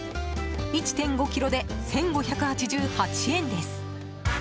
１．５ｋｇで１５８８円です。